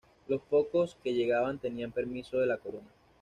Los pocos que llegaban tenían permiso de la Corona.